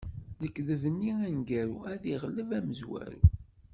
Lekdeb-nni aneggaru ad iɣleb amezwaru.